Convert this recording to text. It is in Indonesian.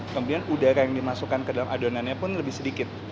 kemudian udara yang dimasukkan ke dalam adonannya pun lebih sedikit